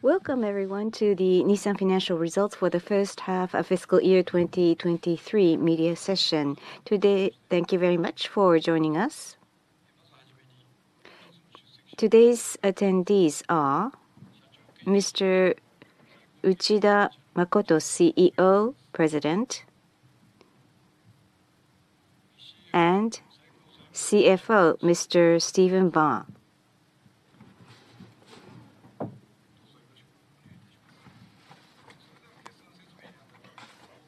Welcome everyone to the Nissan Financial Results for the first half of fiscal year 2023 media session. Today, thank you very much for joining us. Today's attendees are Mr. Makoto Uchida, CEO President, and CFO, Mr. Stephen Ma.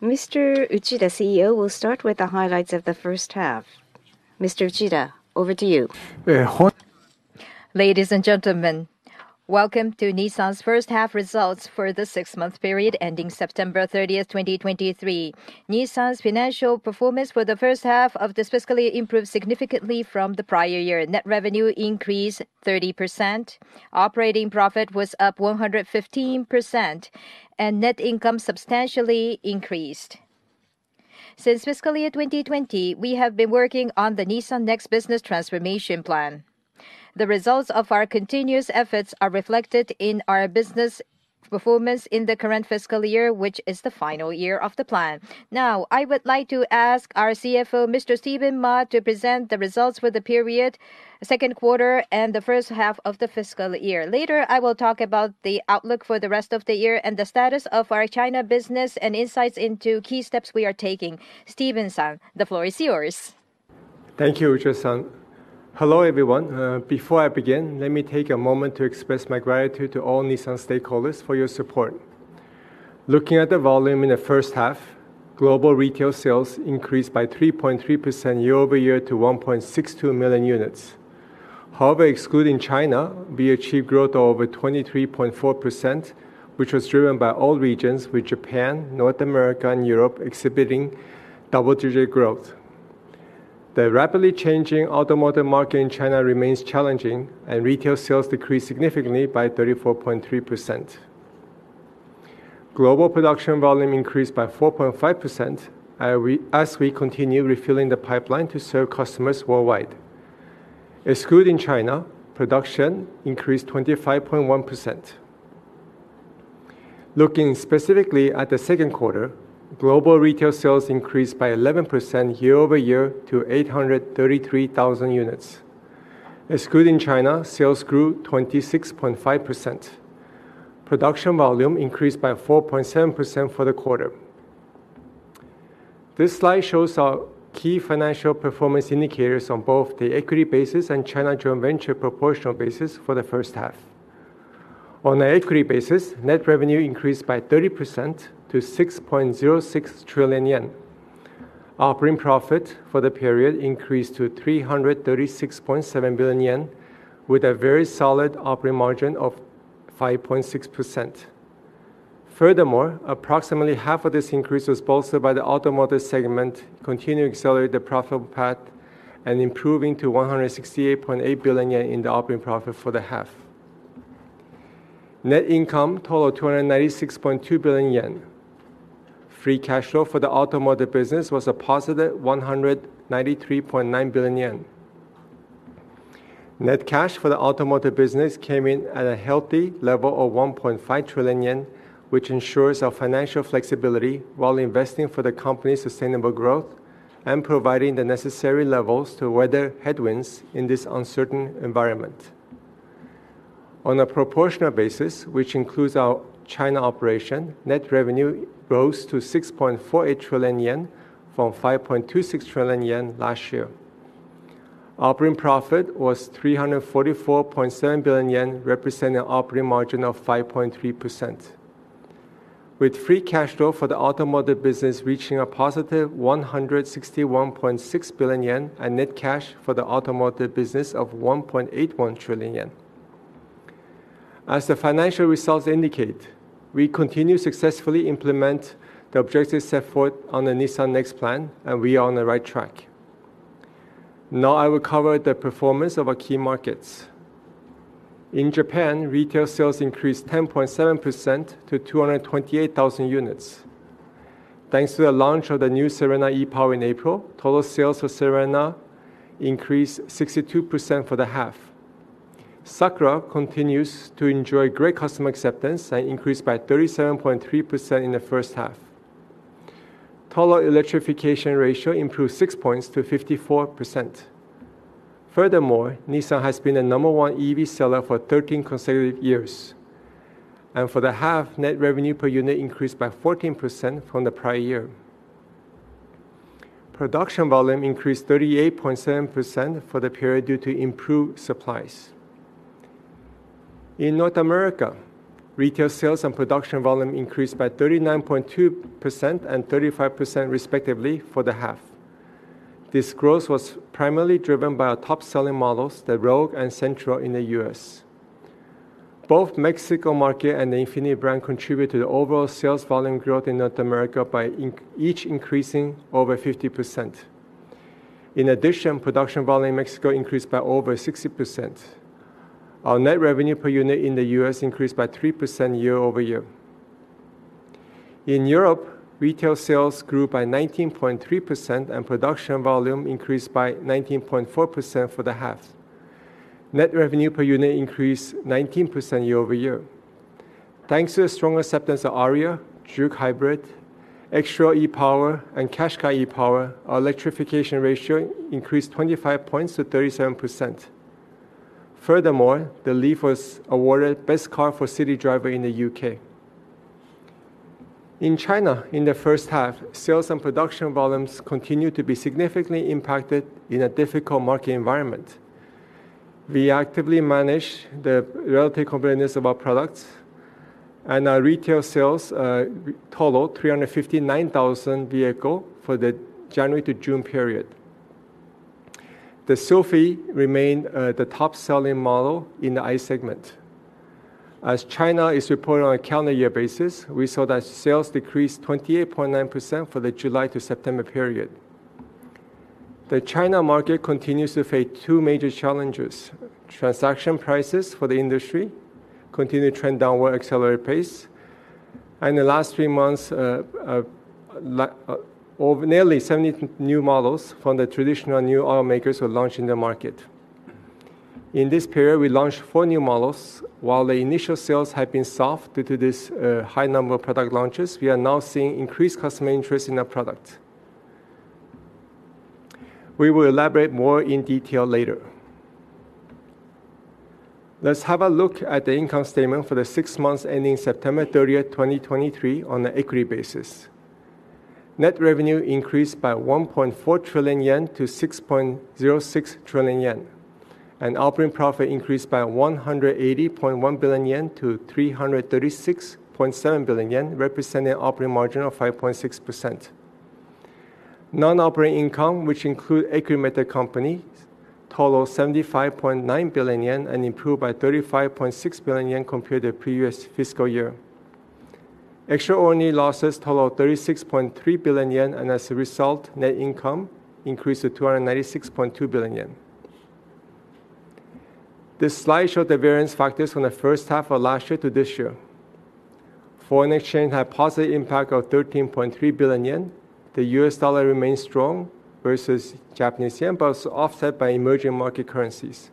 Mr. Uchida, CEO, will start with the highlights of the first half. Mr. Uchida, over to you. Ladies and gentlemen, welcome to Nissan's first half results for the six-month period ending September 30th, 2023. Nissan's financial performance for the first half of this fiscal year improved significantly from the prior year. Net revenue increased 30%, operating profit was up 115%, and net income substantially increased. Since fiscal year 2020, we have been working on the Nissan NEXT Business Transformation Plan. The results of our continuous efforts are reflected in our business performance in the current fiscal year, which is the final year of the plan. Now, I would like to ask our CFO, Mr. Stephen Ma, to present the results for the period, second quarter, and the first half of the fiscal year. Later, I will talk about the outlook for the rest of the year and the status of our China business and insights into key steps we are taking. Stephen-san, the floor is yours. Thank you, Uchida-san. Hello, everyone. Before I begin, let me take a moment to express my gratitude to all Nissan stakeholders for your support. Looking at the volume in the first half, global retail sales increased by 3.3% year-over-year to 1.62 million units. However, excluding China, we achieved growth of over 23.4%, which was driven by all regions, with Japan, North America, and Europe exhibiting double-digit growth. The rapidly changing automotive market in China remains challenging, and retail sales decreased significantly by 34.3%. Global production volume increased by 4.5%, as we continue refilling the pipeline to serve customers worldwide. Excluding China, production increased 25.1%. Looking specifically at the second quarter, global retail sales increased by 11% year-over-year to 833,000 units. Excluding China, sales grew 26.5%. Production volume increased by 4.7% for the quarter. This slide shows our key financial performance indicators on both the equity basis and China joint venture proportional basis for the first half. On an equity basis, net revenue increased by 30% to 6.06 trillion yen. Operating profit for the period increased to 336.7 billion yen, with a very solid operating margin of 5.6%. Furthermore, approximately half of this increase was bolstered by the automotive segment, continuing to accelerate the profitable path and improving to 168.8 billion yen in the operating profit for the half. Net income total 296.2 billion yen. Free cash flow for the automotive business was a positive 193.9 billion yen. Net cash for the automotive business came in at a healthy level of 1.5 trillion yen, which ensures our financial flexibility while investing for the company's sustainable growth and providing the necessary levels to weather headwinds in this uncertain environment. On a proportional basis, which includes our China operation, net revenue rose to 6.48 trillion yen from 5.26 trillion yen last year. Operating profit was 344.7 billion yen, representing an operating margin of 5.3%, with free cash flow for the automotive business reaching a positive 161.6 billion yen, and net cash for the automotive business of 1.81 trillion yen. As the financial results indicate, we continue to successfully implement the objectives set forth on the Nissan NEXT plan, and we are on the right track. Now, I will cover the performance of our key markets. In Japan, retail sales increased 10.7% to 228,000 units. Thanks to the launch of the new Serena e-POWER in April, total sales of Serena increased 62% for the half. Sakura continues to enjoy great customer acceptance and increased by 37.3% in the first half. Total electrification ratio improved 6 points to 54%. Furthermore, Nissan has been the number one EV seller for 13 consecutive years, and for the half, net revenue per unit increased by 14% from the prior year. Production volume increased 38.7% for the period due to improved supplies. In North America, retail sales and production volume increased by 39.2% and 35% respectively for the half. This growth was primarily driven by our top-selling models, the Rogue and Sentra in the U.S. Both the Mexico market and the INFINITI brand contributed to the overall sales volume growth in North America by each increasing over 50%. In addition, production volume in Mexico increased by over 60%. Our net revenue per unit in the U.S. increased by 3% year-over-year. In Europe, retail sales grew by 19.3%, and production volume increased by 19.4% for the half. Net revenue per unit increased 19% year-over-year. Thanks to the strong acceptance of Ariya, Juke Hybrid, X-Trail e-POWER, and Qashqai e-POWER, our electrification ratio increased 25 points to 37%. Furthermore, the LEAF was awarded Best Car for City Driver in the U.K. In China, in the first half, sales and production volumes continued to be significantly impacted in a difficult market environment. We actively managed the relative competitiveness of our products, and our retail sales totaled 359,000 vehicles for the January to June period. The Sylphy remained the top-selling model in the ICE segment. As China is reported on a calendar year basis, we saw that sales decreased 28.9% for the July to September period. The China market continues to face two major challenges: transaction prices for the industry continue to trend downward at accelerated pace, and the last three months, over nearly 70 new models from the traditional new automakers were launched in the market. In this period, we launched four new models. While the initial sales have been soft due to this high number of product launches, we are now seeing increased customer interest in our product. We will elaborate more in detail later. Let's have a look at the income statement for the six months ending September 30th, 2023, on an equity basis. Net revenue increased by 1.4 trillion yen to 6.06 trillion yen, and operating profit increased by 180.1 billion yen to 336.7 billion yen, representing operating margin of 5.6%. Non-operating income, which include equity method companies, totaled 75.9 billion yen and improved by 35.6 billion yen compared to the previous fiscal year. Extraordinary losses totaled 36.3 billion yen, and as a result, net income increased to 296.2 billion yen. This slide shows the variance factors from the first half of last year to this year. Foreign exchange had a positive impact of 13.3 billion yen. The US dollar remains strong versus Japanese yen, but also offset by emerging market currencies.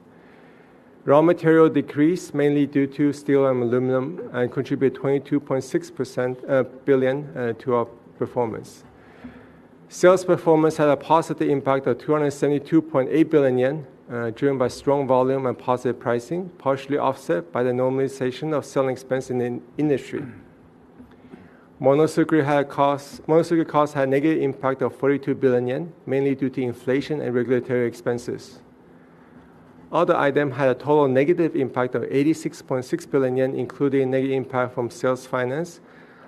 Raw material decreased mainly due to steel and aluminum, and contributed 22.6 billion to our performance. Sales performance had a positive impact of 272.8 billion yen, driven by strong volume and positive pricing, partially offset by the normalization of selling expense in the industry. Monozukuri costs had a negative impact of 42 billion yen, mainly due to inflation and regulatory expenses. Other item had a total negative impact of 86.6 billion yen, including a negative impact from sales finance,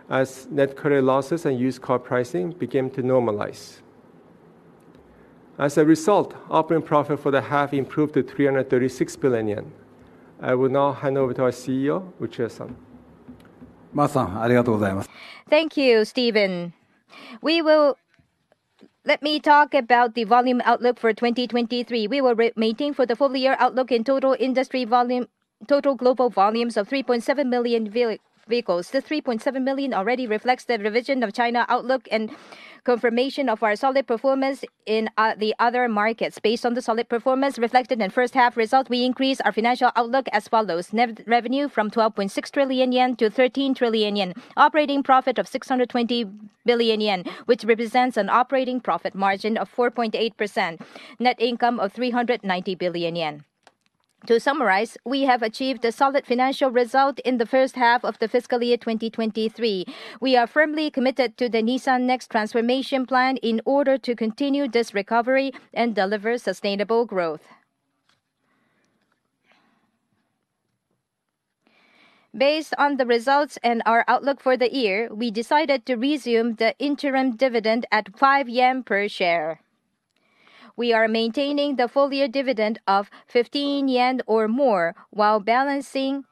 as net credit losses and used car pricing began to normalize. As a result, operating profit for the half improved to 336 billion yen. I will now hand over to our CEO, Uchida-san. Thank you, Stephen. Let me talk about the volume outlook for 2023. We will maintain for the full year outlook in total industry volume, total global volumes of 3.7 million vehicles. The 3.7 million already reflects the revision of China outlook and confirmation of our solid performance in the other markets. Based on the solid performance reflected in first half results, we increased our financial outlook as follows: net revenue from 12.6 trillion yen to 13 trillion yen, operating profit of 620 billion yen, which represents an operating profit margin of 4.8%, net income of 390 billion yen. To summarize, we have achieved a solid financial result in the first half of the fiscal year 2023. We are firmly committed to the Nissan NEXT transformation plan in order to continue this recovery and deliver sustainable growth. Based on the results and our outlook for the year, we decided to resume the interim dividend at 5 yen per share. We are maintaining the full year dividend of 15 yen or more, while balancing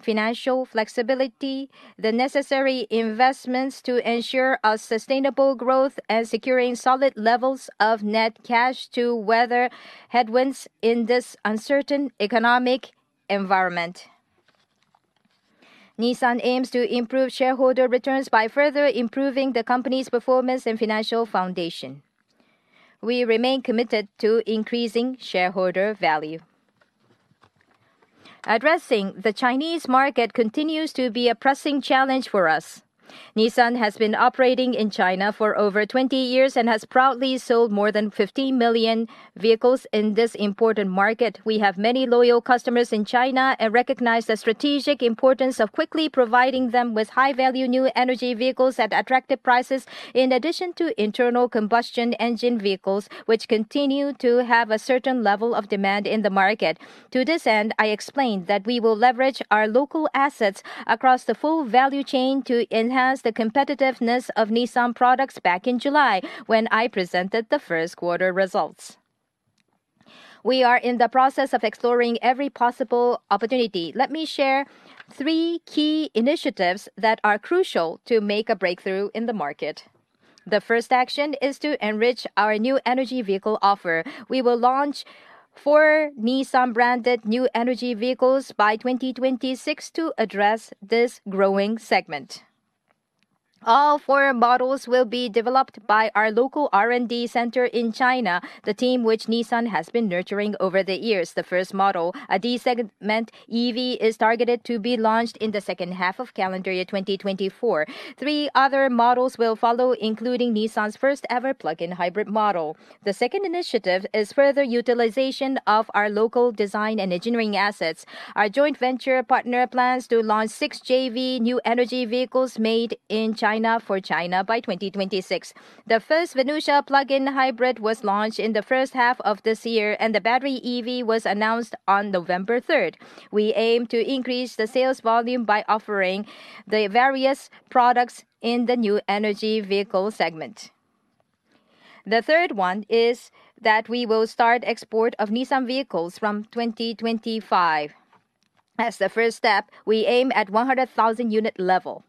financial flexibility, the necessary investments to ensure a sustainable growth, and securing solid levels of net cash to weather headwinds in this uncertain economic environment. Nissan aims to improve shareholder returns by further improving the company's performance and financial foundation. We remain committed to increasing shareholder value. Addressing the Chinese market continues to be a pressing challenge for us. Nissan has been operating in China for over 20 years and has proudly sold more than 50 million vehicles in this important market. We have many loyal customers in China and recognize the strategic importance of quickly providing them with high-value new energy vehicles at attractive prices, in addition to internal combustion engine vehicles, which continue to have a certain level of demand in the market. To this end, I explained that we will leverage our local assets across the full value chain to enhance the competitiveness of Nissan products back in July, when I presented the first quarter results. We are in the process of exploring every possible opportunity. Let me share three key initiatives that are crucial to make a breakthrough in the market. The first action is to enrich our new energy vehicle offer. We will launch four Nissan-branded new energy vehicles by 2026 to address this growing segment. All four models will be developed by our local R&D center in China, the team which Nissan has been nurturing over the years. The first model, a D-segment EV, is targeted to be launched in the second half of calendar year 2024. Three other models will follow, including Nissan's first-ever plug-in hybrid model. The second initiative is further utilization of our local design and engineering assets. Our joint venture partner plans to launch six JV new energy vehicles made in China for China by 2026. The first Venucia plug-in hybrid was launched in the first half of this year, and the battery EV was announced on November third. We aim to increase the sales volume by offering the various products in the new energy vehicle segment. The third one is that we will start export of Nissan vehicles from 2025. As the first step, we aim at 100,000 unit level.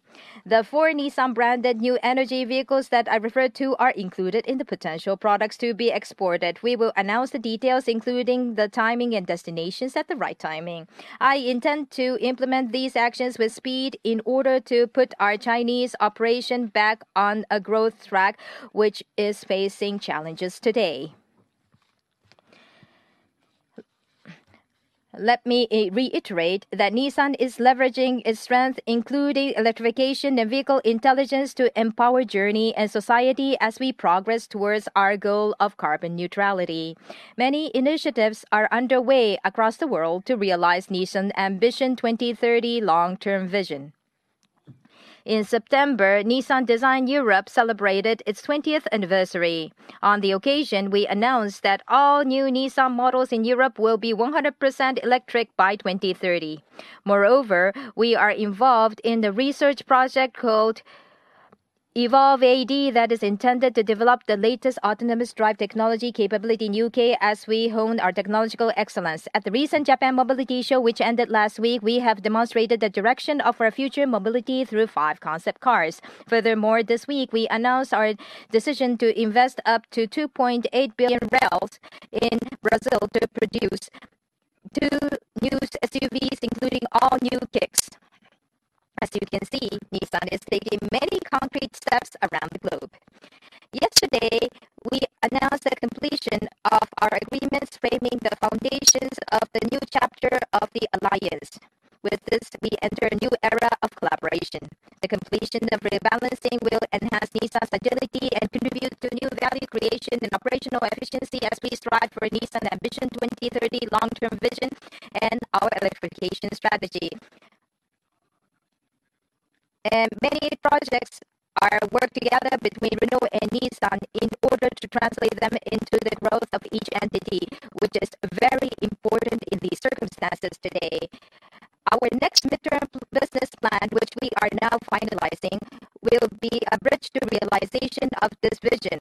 The four Nissan-branded new energy vehicles that I referred to are included in the potential products to be exported. We will announce the details, including the timing and destinations, at the right timing. I intend to implement these actions with speed in order to put our Chinese operation back on a growth track, which is facing challenges today. Let me reiterate that Nissan is leveraging its strength, including electrification and vehicle intelligence, to empower journey and society as we progress towards our goal of carbon neutrality. Many initiatives are underway across the world to realize Nissan Ambition 2030 long-term vision. In September, Nissan Design Europe celebrated its 20th anniversary. On the occasion, we announced that all new Nissan models in Europe will be 100% electric by 2030. Moreover, we are involved in the research project called evolvAD, that is intended to develop the latest autonomous drive technology capability in the U.K. as we hone our technological excellence. At the recent Japan Mobility Show, which ended last week, we have demonstrated the direction of our future mobility through 5 concept cars. Furthermore, this week, we announced our decision to invest up to 2.8 billion in Brazil to produce two new SUVs, including all-new Kicks. As you can see, Nissan is taking many concrete steps around the globe. Yesterday, we announced the completion of our agreements framing the foundations of the new chapter of the alliance. With this, we enter a new era of collaboration. The completion of rebalancing will enhance Nissan's agility and contribute to new value creation and operational efficiency as we strive for Nissan Ambition 2030 long-term vision and our electrification strategy. Many projects are worked together between Renault and Nissan in order to translate them into the growth of each entity, which is very important in these circumstances today. Our next mid-term business plan, which we are now finalizing, will be a bridge to realization of this vision.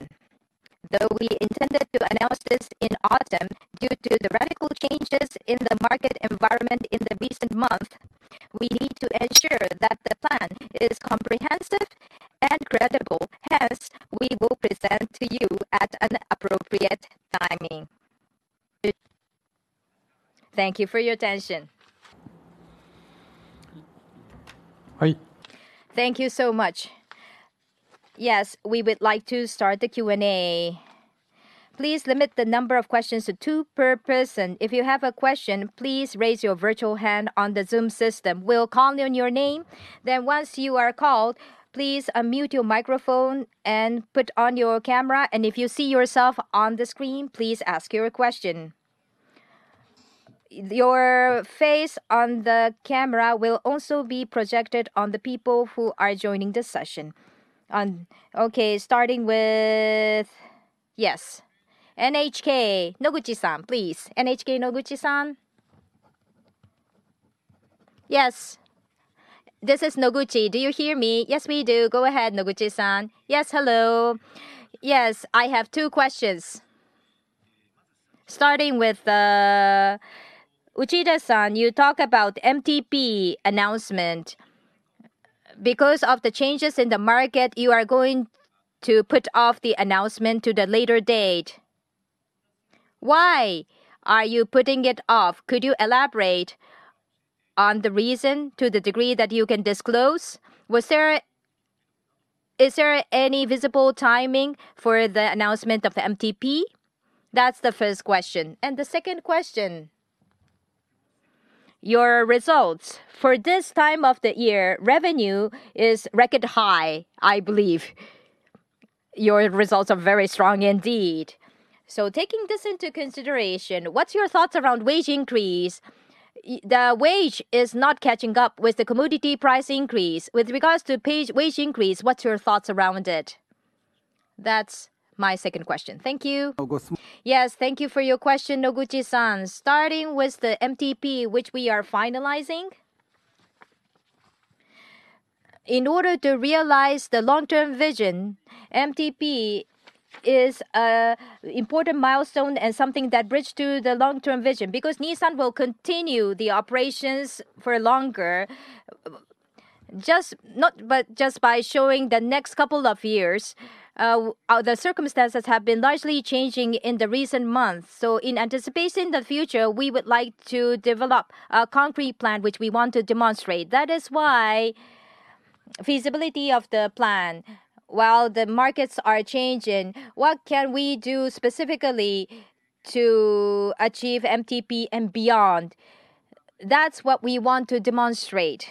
Though we intended to announce this in autumn, due to the radical changes in the market environment in the recent month, we need to ensure that the plan is comprehensive and credible. Hence, we will present to you at an appropriate timing. Thank you for your attention. Thank you so much. Yes, we would like to start the Q&A. Please limit the number of questions to two per person. If you have a question, please raise your virtual hand on the Zoom system. We'll call on your name. Then once you are called, please unmute your microphone and put on your camera, and if you see yourself on the screen, please ask your question. Your face on the camera will also be projected on the people who are joining this session. Okay, starting with... Yes, NHK, Noguchi-san, please. NHK, Noguchi-san? Yes, this is Noguchi. Do you hear me? Yes, we do. Go ahead, Noguchi-san. Yes, hello. Yes, I have two questions. Starting with, Uchida-san, you talk about MTP announcement. Because of the changes in the market, you are going to put off the announcement to the later date. Why are you putting it off? Could you elaborate on the reason to the degree that you can disclose? Is there any visible timing for the announcement of the MTP? That's the first question. And the second question, your results. For this time of the year, revenue is record high, I believe. Your results are very strong indeed. So taking this into consideration, what's your thoughts around wage increase? The wage is not catching up with the commodity price increase. With regards to wage increase, what's your thoughts around it? That's my second question. Thank you. Yes, thank you for your question, Noguchi-san. Starting with the MTP, which we are finalizing. In order to realize the long-term vision, MTP is a important milestone and something that bridge to the long-term vision, because Nissan will continue the operations for longer. Not just by showing the next couple of years, the circumstances have been largely changing in the recent months. So in anticipating the future, we would like to develop a concrete plan, which we want to demonstrate. That is why feasibility of the plan, while the markets are changing, what can we do specifically to achieve MTP and beyond? That's what we want to demonstrate.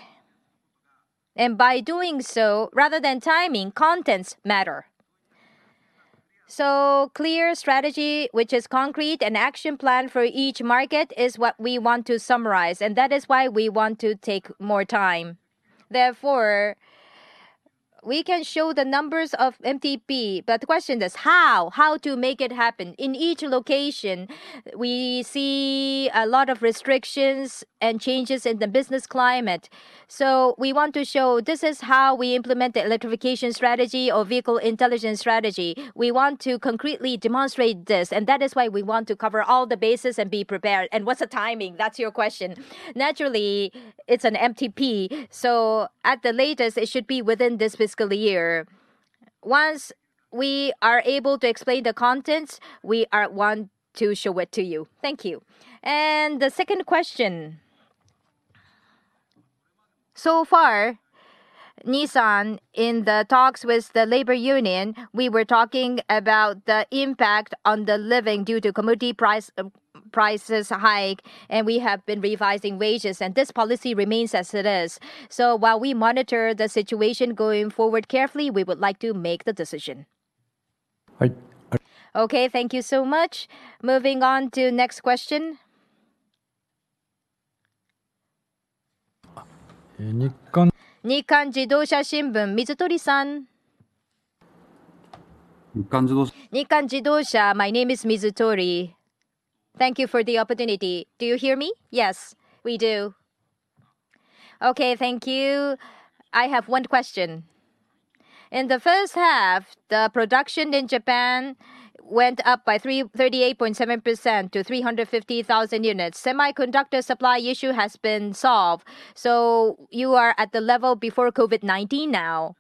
And by doing so, rather than timing, contents matter. So clear strategy, which is concrete, and action plan for each market is what we want to summarize, and that is why we want to take more time. Therefore, we can show the numbers of MTP, but the question is how? How to make it happen. In each location, we see a lot of restrictions and changes in the business climate, so we want to show this is how we implement the electrification strategy or vehicle intelligence strategy. We want to concretely demonstrate this, and that is why we want to cover all the bases and be prepared. What's the timing? That's your question. Naturally, it's an MTP, so at the latest, it should be within this fiscal year. Once we are able to explain the contents, we want to show it to you. Thank you. The second question. So far, Nissan, in the talks with the labor union, we were talking about the impact on the living due to commodity prices hike, and we have been revising wages, and this policy remains as it is. While we monitor the situation going forward carefully, we would like to make the decision. Right. Okay, thank you so much. Moving on to next question. Uh, Nikkan- Nikkan Jidōsha Shimbun, Mizutori-san. Nikkan Jidosha, my name is Mizutori. Thank you for the opportunity. Do you hear me? Yes, we do. Okay, thank you. I have one question. In the first half, the production in Japan went up by 338.7% to 350,000 units. Semiconductor supply issue has been solved, so you are at the level before COVID-19 now.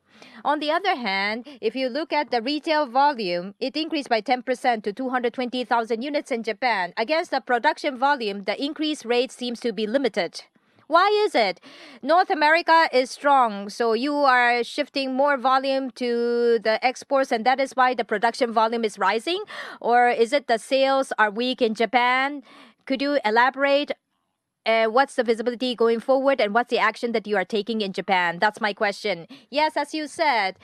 On the other hand, if you look at the retail volume, it increased by 10% to 220,000 units in Japan. Against the production volume, the increase rate seems to be limited. Why is it North America is strong? So you are shifting more volume to the exports, and that is why the production volume is rising, or is it the sales are weak in Japan? Could you elaborate, what's the visibility going forward, and what's the action that you are taking in Japan? That's my question. Yes, as you said,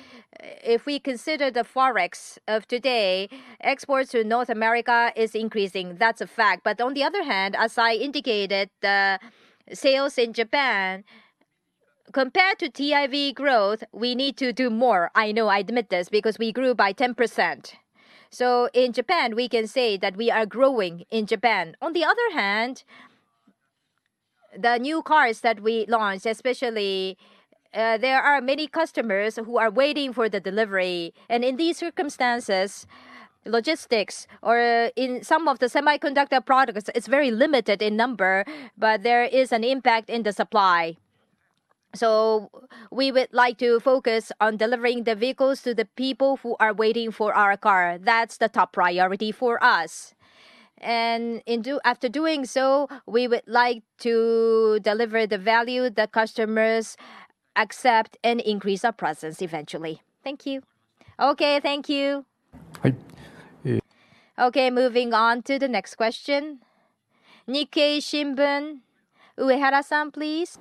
if we consider the Forex of today, exports to North America is increasing. That's a fact. But on the other hand, as I indicated, the sales in Japan, compared to TIV growth, we need to do more. I know, I admit this, because we grew by 10%. So in Japan, we can say that we are growing in Japan. On the other hand, the new cars that we launched, especially, there are many customers who are waiting for the delivery, and in these circumstances, logistics or, in some of the semiconductor products, it's very limited in number, but there is an impact in the supply. So we would like to focus on delivering the vehicles to the people who are waiting for our car. That's the top priority for us. And in do... After doing so, we would like to deliver the value the customers accept and increase our presence eventually. Thank you. Okay, thank you. Okay, moving on to the next question. Nikkei Shimbun, Uehara-san, please.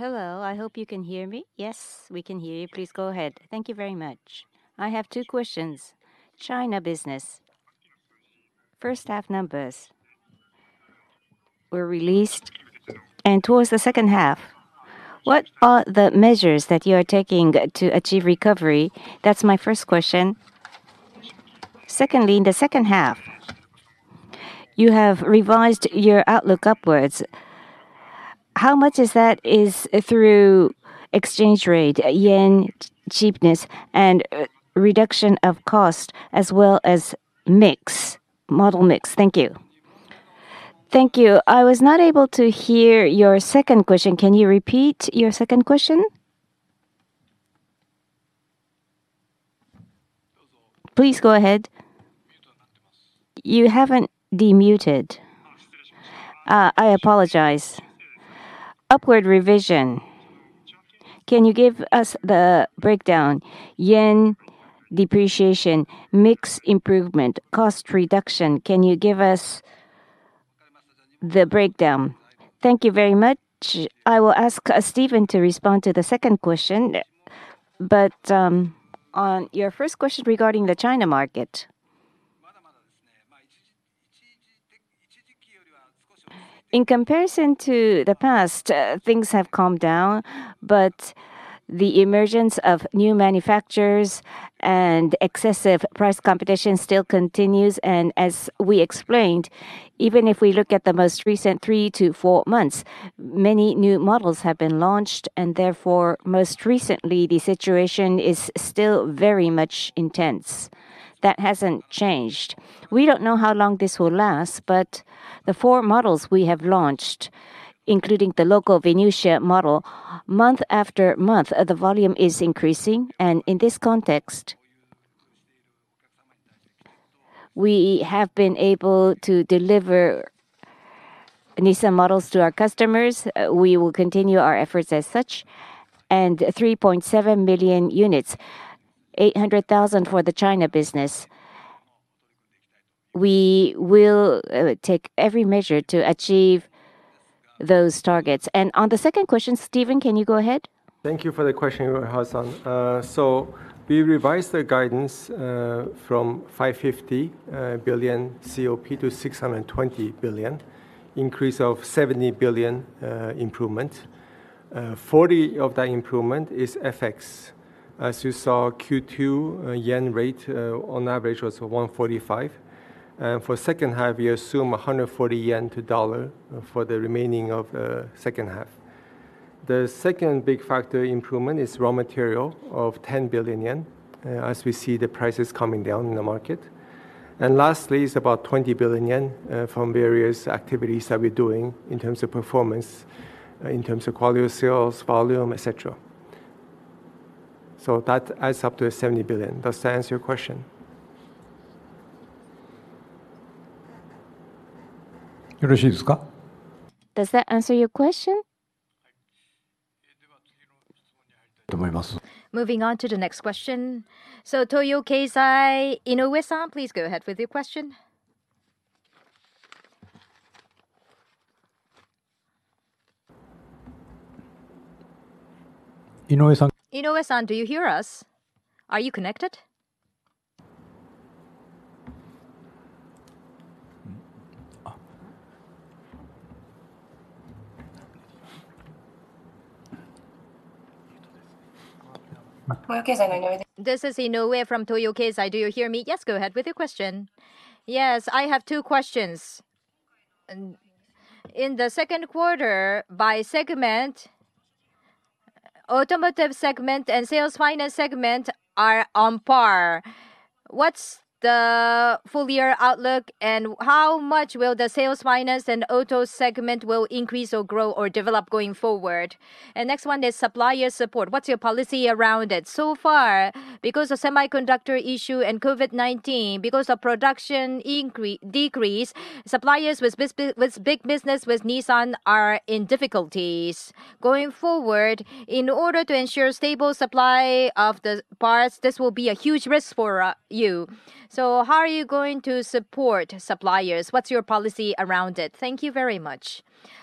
Hello, I hope you can hear me. Yes, we can hear you. Please go ahead. Thank you very much. I have two questions. China business. First half numbers were released, and towards the second half, what are the measures that you are taking to achieve recovery? That's my first question. Secondly, in the second half, you have revised your outlook upwards. How much is that is, through exchange rate, yen cheapness, and, reduction of cost as well as mix, model mix? Thank you. Thank you. I was not able to hear your second question. Can you repeat your second question? Please go ahead. You haven't unmuted. Ah, I apologize. Upward revision, can you give us the breakdown? Yen depreciation, mix improvement, cost reduction, can you give us the breakdown? Thank you very much. I will ask, Stephen to respond to the second question. But, on your first question regarding the China market, in comparison to the past, things have calmed down, but, the emergence of new manufacturers and excessive price competition still continues, and as we explained, even if we look at the most recent three to four months, many new models have been launched, and therefore, most recently, the situation is still very much intense. That hasn't changed. We don't know how long this will last, but the four models we have launched, including the local Venucia model, month after month, the volume is increasing, and in this context, we have been able to deliver Nissan models to our customers. We will continue our efforts as such, and 3.7 million units, 800,000 for the China business. We will take every measure to achieve those targets. On the second question, Stephen, can you go ahead? Thank you for the question, Hassan. So we revised the guidance from 550 billion to 620 billion, increase of 70 billion improvement. Forty of that improvement is FX. As you saw, Q2 yen rate on average was 145. For second half, we assume 140 yen to dollar for the remaining of second half. The second big factor improvement is raw material of 10 billion yen as we see the prices coming down in the market. And lastly is about 20 billion yen from various activities that we're doing in terms of performance in terms of quality of sales, volume, et cetera. So that adds up to 70 billion. Does that answer your question? Does that answer your question? Moving on to the next question. So Toyo Keizai, Inoue-san, please go ahead with your question. Inoue-san, do you hear us? Are you connected? This is Inoue from Toyo Keizai. Do you hear me? Yes, go ahead with your question. Yes, I have two questions. In the second quarter, by segment, automotive segment and sales finance segment are on par. What's the full year outlook, and how much will the sales finance and auto segment will increase or grow or develop going forward? Next one is supplier support. What's your policy around it? So far, because of semiconductor issue and COVID-19, because of production decrease, suppliers with big business with Nissan are in difficulties. Going forward, in order to ensure stable supply of the parts, this will be a huge risk for you. So how are you going to support suppliers? What's your policy around it? Thank you very much.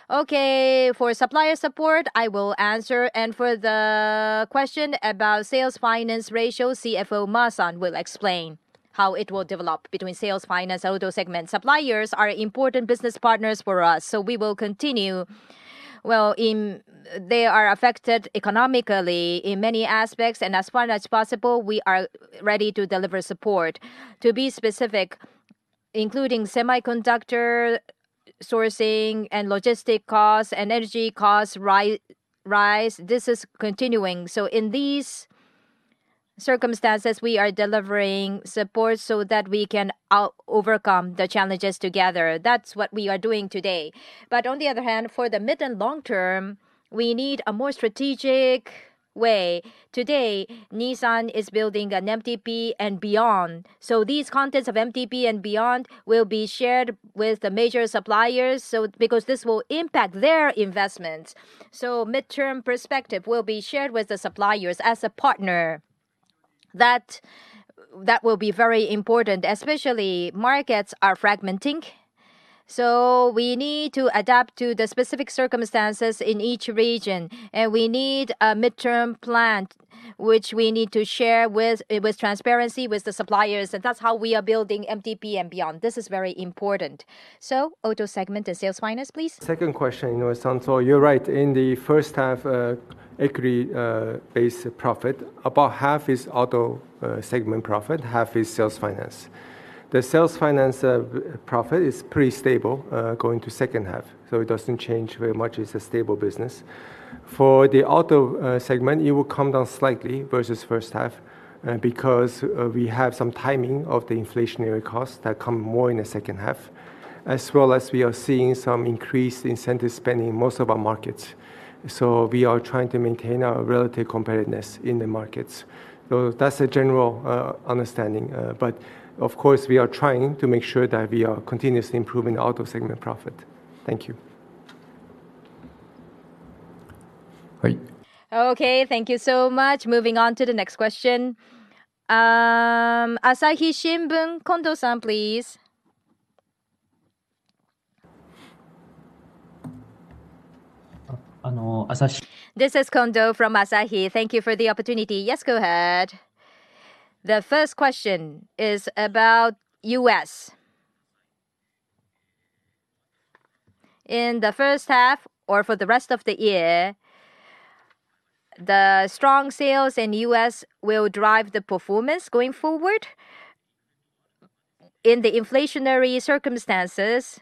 Okay, for supplier support, I will answer, and for the question about sales finance ratio, CFO Ma-san will explain how it will develop between sales finance and auto segment. Suppliers are important business partners for us, so we will continue. Well, they are affected economically in many aspects, and as far as possible, we are ready to deliver support. To be specific, including semiconductor sourcing and logistic costs and energy costs rise, this is continuing. So in these circumstances, we are delivering support so that we can overcome the challenges together. That's what we are doing today. But on the other hand, for the mid and long term, we need a more strategic way. Today, Nissan is building an MTP and beyond. So these contents of MTP and beyond will be shared with the major suppliers, so because this will impact their investments. So midterm perspective will be shared with the suppliers as a partner. That, that will be very important, especially markets are fragmenting, so we need to adapt to the specific circumstances in each region, and we need a midterm plan, which we need to share with, with transparency, with the suppliers, and that's how we are building MTP and beyond. This is very important. So auto segment and sales finance, please. Second question, Inoue-san. So you're right. In the first half, equity base profit, about half is auto segment profit, half is sales finance. The sales finance profit is pretty stable going to second half, so it doesn't change very much. It's a stable business. For the auto segment, it will come down slightly versus first half because we have some timing of the inflationary costs that come more in the second half, as well as we are seeing some increased incentive spending in most of our markets. So we are trying to maintain our relative competitiveness in the markets. So that's a general understanding, but of course, we are trying to make sure that we are continuously improving auto segment profit. Thank you. Okay, thank you so much. Moving on to the next question. Asahi Shimbun, Kondo-san, please. This is Kondo from Asahi. Thank you for the opportunity. Yes, go ahead. The first question is about U.S.... in the first half or for the rest of the year, the strong sales in U.S. will drive the performance going forward? In the inflationary circumstances,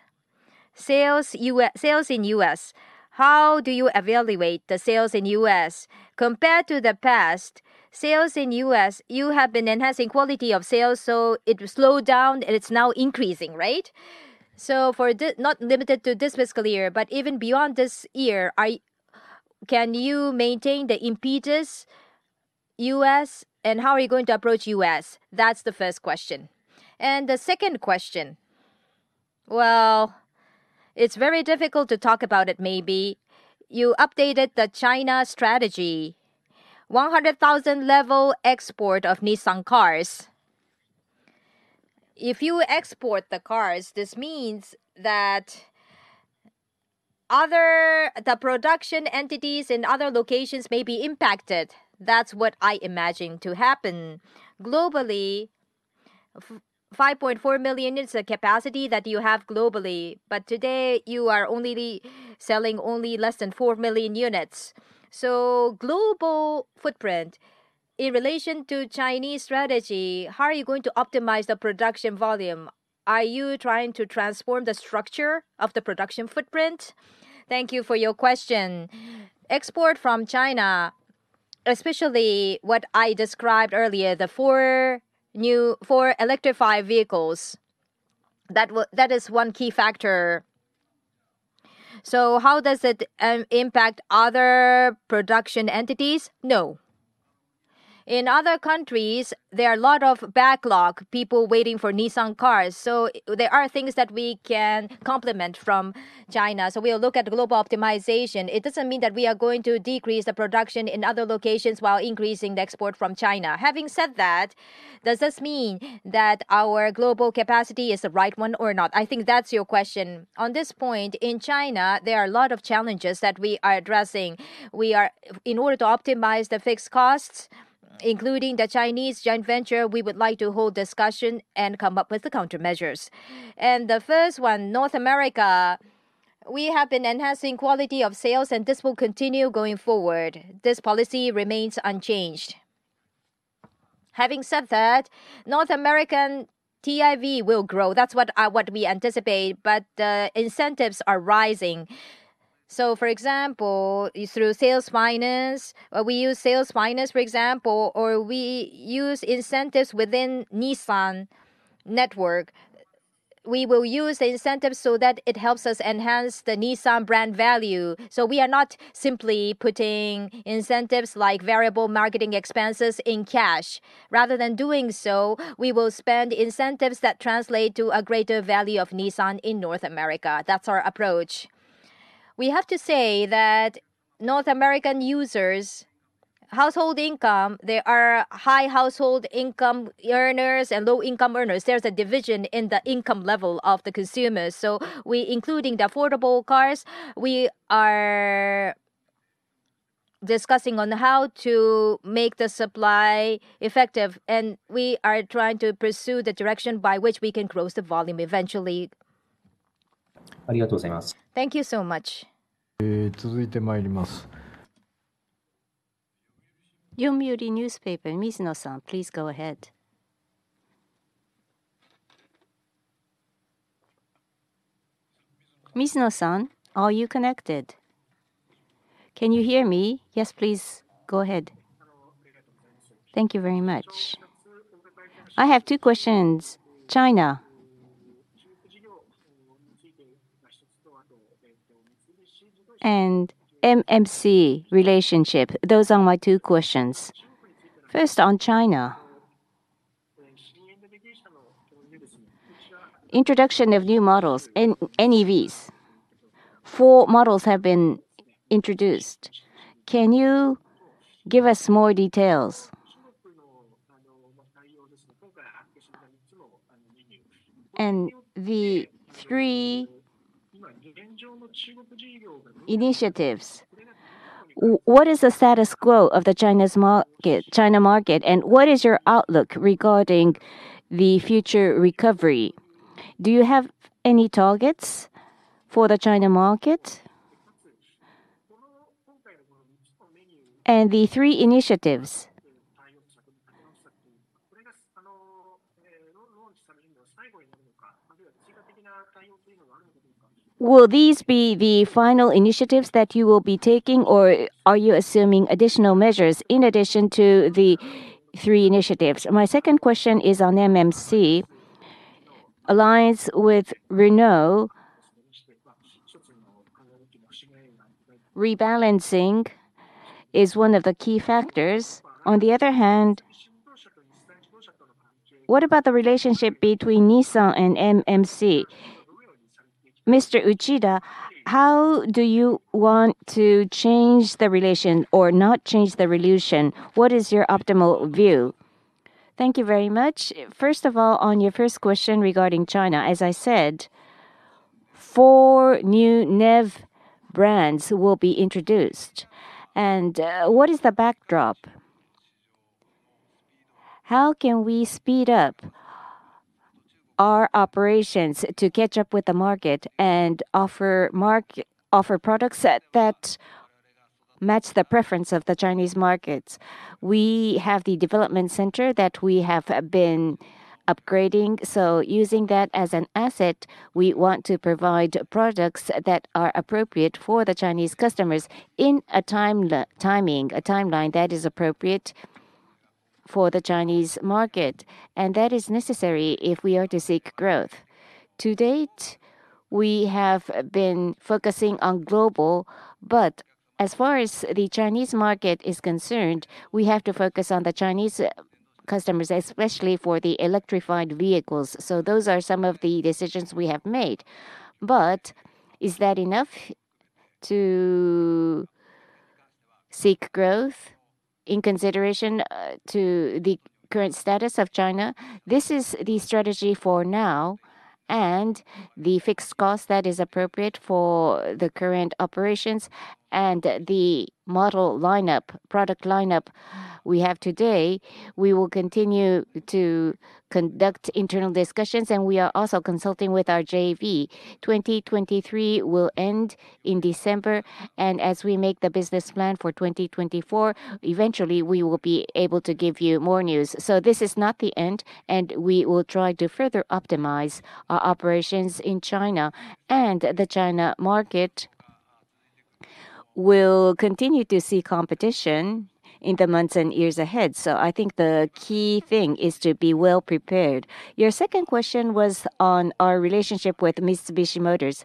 sales U.S.-sales in U.S., how do you evaluate the sales in U.S.? Compared to the past, sales in U.S., you have been enhancing quality of sales, so it slowed down, and it's now increasing, right? So for not limited to this fiscal year, but even beyond this year, can you maintain the impetus U.S., and how are you going to approach U.S.? That's the first question. And the second question, well, it's very difficult to talk about it maybe. You updated the China strategy, 100,000 level export of Nissan cars. If you export the cars, this means that other... The production entities in other locations may be impacted. That's what I imagine to happen. Globally, 5.4 million is the capacity that you have globally, but today, you are only selling only less than 4 million units. So global footprint in relation to Chinese strategy, how are you going to optimize the production volume? Are you trying to transform the structure of the production footprint? Thank you for your question. Export from China, especially what I described earlier, the four new four electrified vehicles, that is one key factor. So how does it impact other production entities? No. In other countries, there are a lot of backlog, people waiting for Nissan cars, so there are things that we can complement from China. So we'll look at global optimization. It doesn't mean that we are going to decrease the production in other locations while increasing the export from China. Having said that, does this mean that our global capacity is the right one or not? I think that's your question. On this point, in China, there are a lot of challenges that we are addressing. In order to optimize the fixed costs, including the Chinese joint venture, we would like to hold discussion and come up with the countermeasures. And the first one, North America, we have been enhancing quality of sales, and this will continue going forward. This policy remains unchanged. Having said that, North American TIV will grow. That's what, what we anticipate, but the incentives are rising. So for example, through sales finance, we use sales finance, for example, or we use incentives within Nissan network. We will use the incentives so that it helps us enhance the Nissan brand value. So we are not simply putting incentives like variable marketing expenses in cash. Rather than doing so, we will spend incentives that translate to a greater value of Nissan in North America. That's our approach. We have to say that North American users, household income, there are high household income earners and low-income earners. There's a division in the income level of the consumers. So we, including the affordable cars, we are discussing on how to make the supply effective, and we are trying to pursue the direction by which we can grow the volume eventually. Thank you so much. Yomiuri Newspaper, Mizuno-san, please go ahead. Mizuno-san, are you connected? Can you hear me? Yes, please go ahead. Thank you very much. I have two questions: China and MMC relationship. Those are my two questions. First, on China, introduction of new models, NEVs. Four models have been introduced. Can you give us more details? And the three initiatives, what is the status quo of the China's market, China market, and what is your outlook regarding the future recovery? Do you have any targets for the China market? And the three initiatives, will these be the final initiatives that you will be taking, or are you assuming additional measures in addition to the three initiatives? My second question is on MMC alliance with Renault. Rebalancing is one of the key factors. On the other hand, what about the relationship between Nissan and MMC? Mr. Uchida, how do you want to change the relation or not change the relation? What is your optimal view? Thank you very much. First of all, on your first question regarding China, as I said, 4 new NEV brands will be introduced. And, what is the backdrop? How can we speed up our operations to catch up with the market and offer products that match the preference of the Chinese markets? We have the development center that we have been upgrading, so using that as an asset, we want to provide products that are appropriate for the Chinese customers in a timeline that is appropriate for the Chinese market, and that is necessary if we are to seek growth. To date, we have been focusing on global, but as far as the Chinese market is concerned, we have to focus on the Chinese customers, especially for the electrified vehicles. So those are some of the decisions we have made. But is that enough to seek growth in consideration to the current status of China? This is the strategy for now, and the fixed cost that is appropriate for the current operations and the model lineup, product lineup we have today, we will continue to conduct internal discussions, and we are also consulting with our JV. 2023 will end in December, and as we make the business plan for 2024, eventually we will be able to give you more news. So this is not the end, and we will try to further optimize our operations in China. The China market will continue to see competition in the months and years ahead, so I think the key thing is to be well prepared. Your second question was on our relationship with Mitsubishi Motors.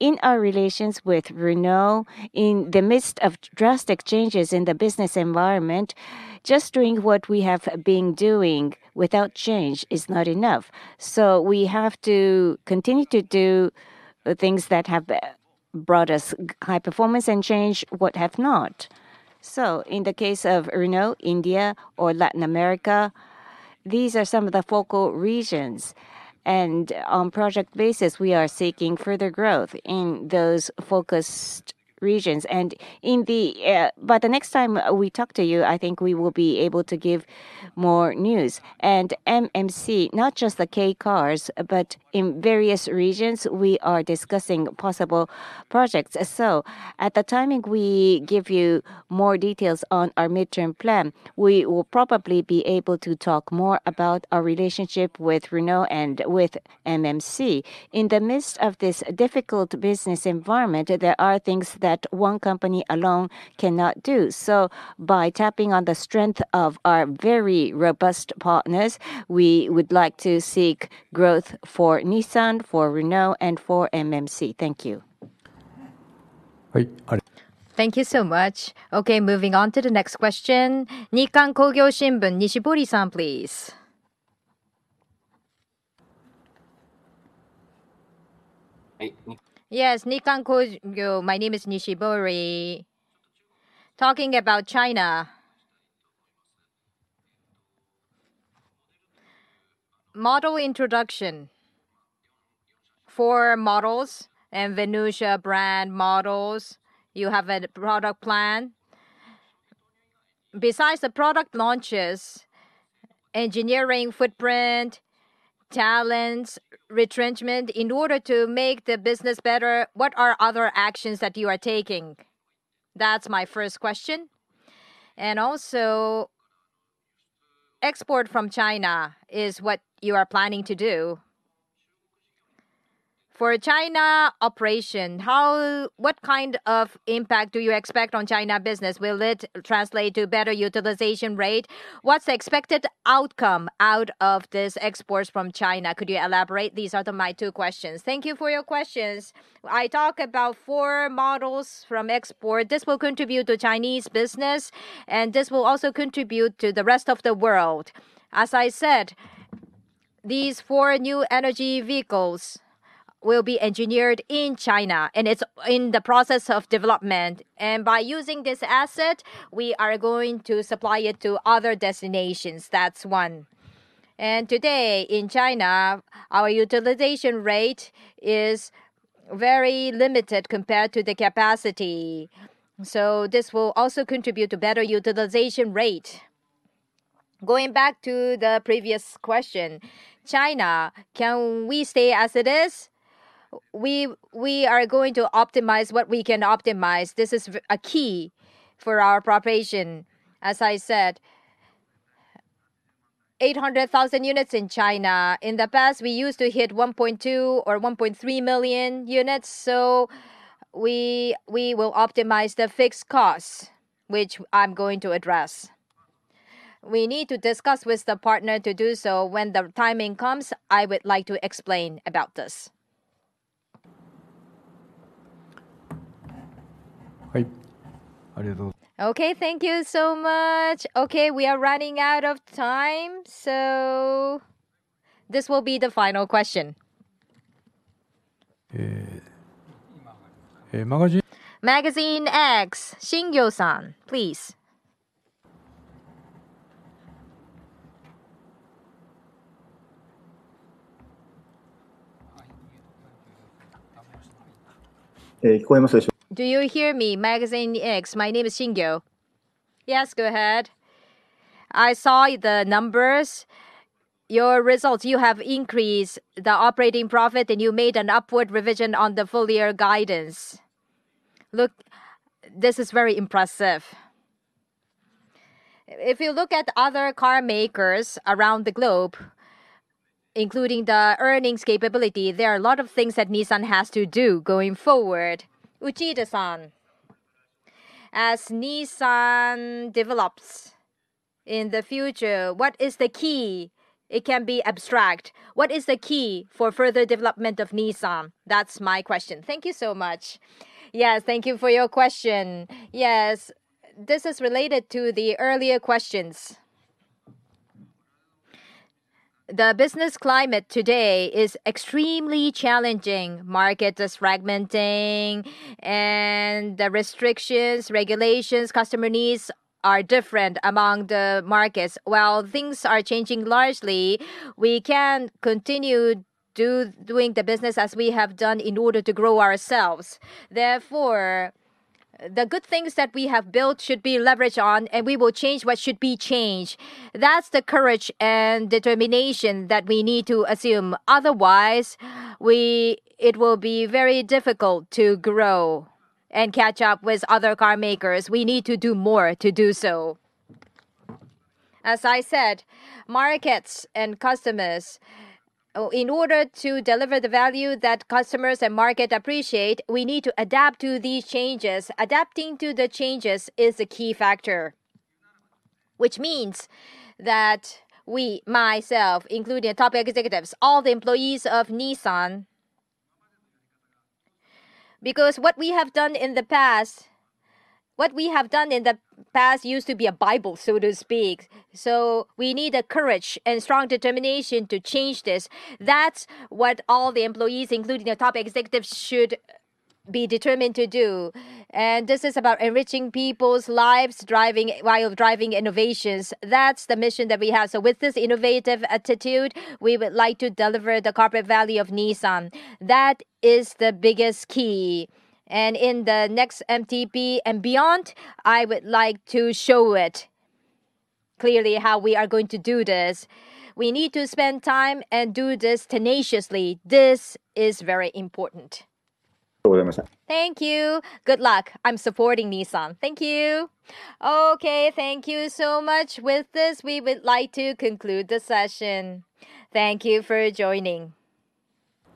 In our relations with Renault, in the midst of drastic changes in the business environment, just doing what we have been doing without change is not enough. So we have to continue to do the things that have brought us high performance and change what have not. So in the case of Renault, India or Latin America, these are some of the focal regions, and on project basis, we are seeking further growth in those focused regions. By the next time we talk to you, I think we will be able to give more news. And MMC, not just the K cars, but in various regions, we are discussing possible projects. So at the timing we give you more details on our midterm plan, we will probably be able to talk more about our relationship with Renault and with MMC. In the midst of this difficult business environment, there are things that one company alone cannot do. So by tapping on the strength of our very robust partners, we would like to seek growth for Nissan, for Renault, and for MMC. Thank you. Thank you so much. Okay, moving on to the next question. Nikkan Kogyo Shimbun, Nishibori-san, please. Yes, Nikkan Kogyo, my name is Nishibori. Talking about China, model introduction. Four models and Venucia brand models, you have a product plan. Besides the product launches, engineering footprint, talents, retrenchment, in order to make the business better, what are other actions that you are taking? That's my first question. And also, export from China is what you are planning to do. For China operation, what kind of impact do you expect on China business? Will it translate to better utilization rate? What's the expected outcome out of this exports from China? Could you elaborate? These are my two questions. Thank you for your questions. I talk about four models from export. This will contribute to Chinese business, and this will also contribute to the rest of the world. As I said, these four new energy vehicles will be engineered in China, and it's in the process of development. And by using this asset, we are going to supply it to other destinations. That's one. And today, in China, our utilization rate is very limited compared to the capacity, so this will also contribute to better utilization rate. Going back to the previous question, China, can we stay as it is? We, we are going to optimize what we can optimize. This is a key for our preparation. As I said, 800,000 units in China. In the past, we used to hit 1.2 or 1.3 million units, so we will optimize the fixed costs, which I'm going to address. We need to discuss with the partner to do so. When the timing comes, I would like to explain about this. Okay, thank you so much. Okay, we are running out of time, so this will be the final question. Magazine X, Shingyo-san, please. Hey, do you hear me, Magazine X? My name is Shingyo. Yes, go ahead. I saw the numbers, your results. You have increased the operating profit, and you made an upward revision on the full year guidance. Look, this is very impressive. If you look at other car makers around the globe, including the earnings capability, there are a lot of things that Nissan has to do going forward. Uchida-san, as Nissan develops in the future, what is the key? It can be abstract. What is the key for further development of Nissan? That's my question. Thank you so much. Yes, thank you for your question. Yes, this is related to the earlier questions. The business climate today is extremely challenging. Market is fragmenting, and the restrictions, regulations, customer needs are different among the markets. While things are changing largely, we can continue doing the business as we have done in order to grow ourselves. Therefore, the good things that we have built should be leveraged on, and we will change what should be changed. That's the courage and determination that we need to assume. Otherwise, it will be very difficult to grow and catch up with other car makers. We need to do more to do so. As I said, markets and customers in order to deliver the value that customers and market appreciate, we need to adapt to these changes. Adapting to the changes is a key factor, which means that we, myself, including the top executives, all the employees of Nissan. Because what we have done in the past, what we have done in the past used to be a Bible, so to speak. So we need the courage and strong determination to change this. That's what all the employees, including the top executives, should be determined to do. And this is about enriching people's lives, driving, while driving innovations. That's the mission that we have. So with this innovative attitude, we would like to deliver the corporate value of Nissan. That is the biggest key, and in the next MTP and beyond, I would like to show it clearly how we are going to do this. We need to spend time and do this tenaciously. This is very important. Thank you. Good luck. I'm supporting Nissan. Thank you! Okay, thank you so much. With this, we would like to conclude the session. Thank you for joining.